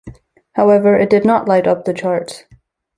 However, it did not light up the charts.